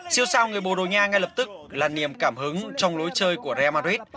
siêu sao người borussia ngay lập tức là niềm cảm hứng trong lối chơi của real madrid